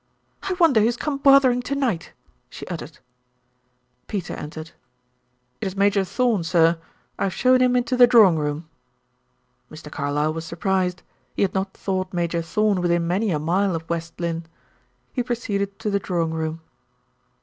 "I wonder who's come bothering to night?" she uttered. Peter entered. "It is Major Thorn, sir. I have shown him into the drawing room." Mr. Carlyle was surprised. He had not thought Major Thorn within many a mile of West Lynne. He proceeded to the drawing room.